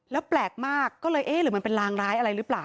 แล้วแปลกมากก็เลยเอ๊ะหรือมันเป็นรางร้ายอะไรหรือเปล่า